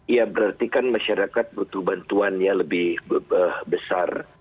ya berarti kan masyarakat butuh bantuannya lebih besar